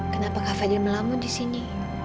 kenapa kak fadil melamun disini